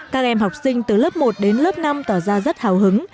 các em học sinh từ lớp một đến lớp năm tỏ ra rất hào hứng